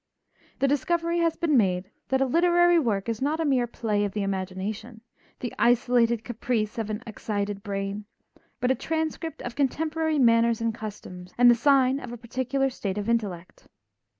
The discovery has been made that a literary work is not a mere play of the imagination, the isolated caprice of an excited brain, but a transcript of contemporary manners and customs and the sign of a particular state of intellect.